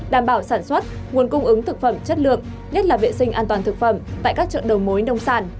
đảm bảo sản xuất nguồn cung ứng thực phẩm chất lượng nhất là vệ sinh an toàn thực phẩm tại các chợ đầu mối nông sản